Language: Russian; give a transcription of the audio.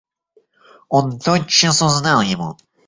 Он тотчас узнал его.